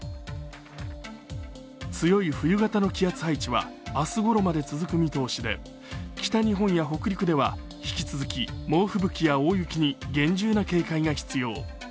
強い冬型の気圧配置は明日ごろまで続く見通しで北日本や北陸では引き続き猛吹雪や大雪に厳重な警戒が必要。